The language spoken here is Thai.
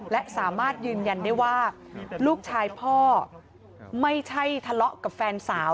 และสามารถยืนยันได้ว่าลูกชายพ่อไม่ใช่ทะเลาะกับแฟนสาว